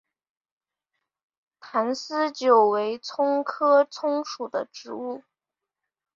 坛丝韭为葱科葱属的植物。